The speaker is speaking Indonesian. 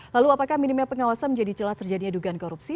lalu apakah minimnya pengawasan menjadi celah terjadinya dugaan korupsi